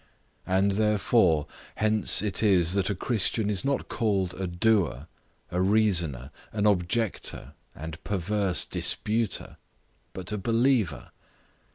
And therefore, hence it is that a Christian is not called a doer, a reasoner, an objector, and perverse disputer, but a believer.